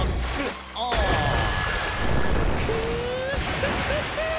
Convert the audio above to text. フフフゥ！